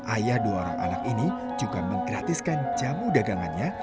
ayah dua orang anak ini juga menggratiskan jamu dagangannya